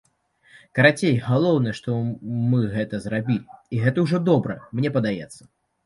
Карацей, галоўнае, што мы гэта зрабілі, і гэта ўжо добра, мне падаецца.